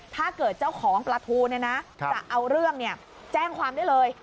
ถ้าเกิดเจ้าของปลาทูจะเอาเรื่องแจ้งความได้เลย